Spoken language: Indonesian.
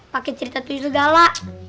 pakai cerita tuyul gala